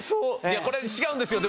いやこれ違うんですよ。